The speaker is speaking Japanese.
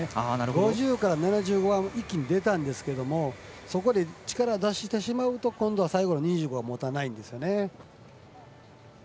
５０から７５は一気に出たんですけどそこで、力を出してしまうと今度は最後の２５がもたないんですよね。